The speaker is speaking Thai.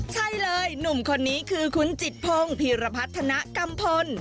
ใช่เลยหนุ่มคนนี้คือคุณจิตพงศ์พีรพัฒนากัมพล